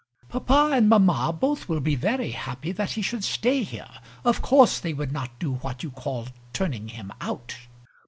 "Papa and mamma both will be very happy that he should stay here; of course they would not do what you call turning him out.